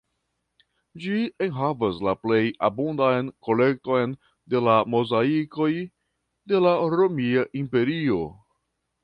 Ĝi enhavas la plej abundan kolekton de mozaikoj de la romia imperio.